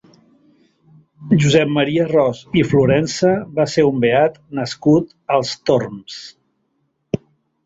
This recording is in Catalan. Josep Maria Ros i Florensa va ser un beat nascut als Torms.